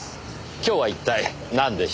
今日は一体なんでしょう？